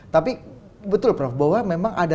tapi betul prof bahwa memang ada